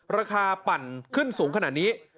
ปั่นขึ้นสูงขนาดนี้